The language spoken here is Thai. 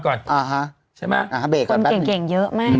เป่นใหญ่เยอะเนี่ย